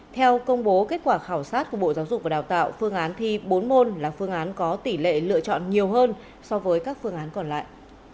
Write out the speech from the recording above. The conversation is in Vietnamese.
theo công bố kết quả khảo sát của bộ giáo dục và đào tạo phương án thi bốn môn là phương án có tỷ lệ lựa chọn nhiều hơn so với các phương án còn lại